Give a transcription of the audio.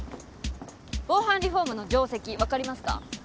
防犯リフォームの定石わかりますか？